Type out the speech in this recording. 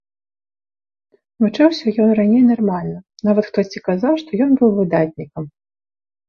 Вучыўся ён раней нармальна, нават хтосьці казаў, што ён быў выдатнікам.